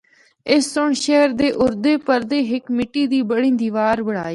اس سنڑ شہر دے اُردے پردے ہک مٹی دی بڑی دیوار بنڑائی۔